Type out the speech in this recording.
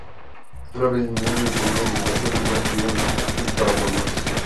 Una vez disminuido el promedio de impactos, los mares tuvieron tiempo para formarse.